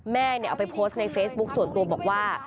เอาไปโพสต์ในเฟซบุ๊คส่วนตัวบอกว่า